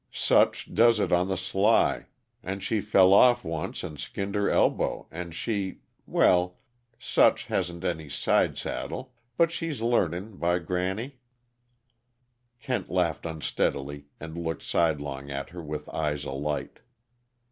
"Such does it on the sly and she fell off once and skinned her elbow, and she well, Such hasn't any sidesaddle but she's learning, 'by granny!'" Kent laughed unsteadily, and looked sidelong at her with eyes alight.